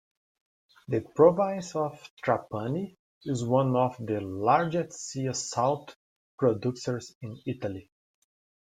The Province of Trapani is one of the largest sea salt producers in Italy.